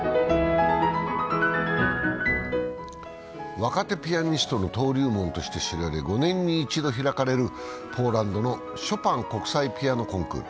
若手ピアニストの登竜門として知られ５年に１度行われるポーランドのショパン国際ピアノコンクール。